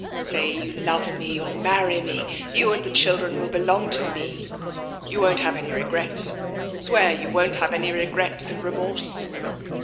'Say you love me, you'll marry me. You and the children will belong to me. You won't have any regrets? Swear you won't have any regrets and remorse!'